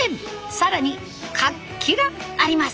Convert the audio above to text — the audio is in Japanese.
更に活気があります。